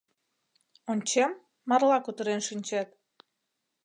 Ончем, марла кутырен шинчет.